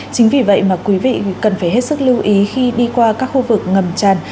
chính vì vậy mà quý vị cần phải hết sức lưu ý khi đi qua các khu vực ngầm tràn